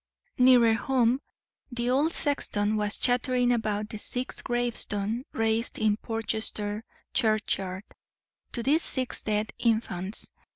Nearer home, the old sexton was chattering about the six gravestones raised in Portchester churchyard to these six dead infants.